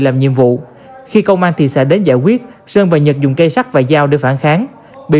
làm nhiệm vụ khi công an thị xã đến giải quyết sơn và nhật dùng cây sắt và dao để phản kháng bị